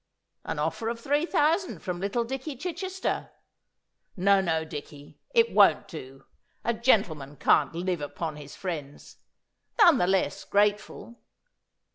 An offer of three thousand from little Dicky Chichester. No, no, Dicky, it won't do. A gentleman can't live upon his friends. None the less grateful.